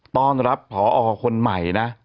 ต้อนรับผอคนใหม่นะ